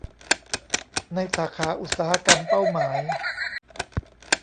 ในสาขาอุตสาหกรรมเป้าหมาย